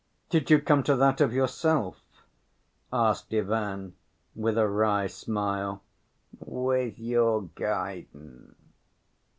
"Did you come to that of yourself?" asked Ivan, with a wry smile. "With your guidance."